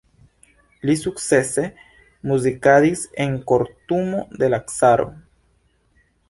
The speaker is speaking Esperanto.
Li sukcese muzikadis en kortumo de la caro.